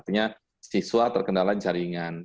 artinya siswa terkendala jaringan